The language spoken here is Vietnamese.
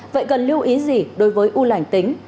vậy cần lưu ý gì đối với u lành tính